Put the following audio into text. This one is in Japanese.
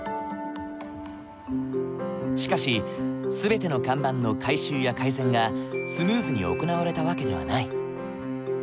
しかし全ての看板の改修や改善がスムーズに行われた訳ではない。